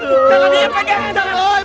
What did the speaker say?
tentang dia pegang